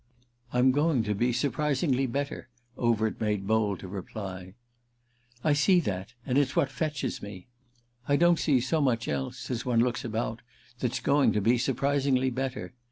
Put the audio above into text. "I'm going to be surprisingly better," Overt made bold to reply. "I see that, and it's what fetches me. I don't see so much else—as one looks about—that's going to be surprisingly better.